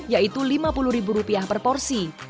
yaitu rp lima puluh per porsi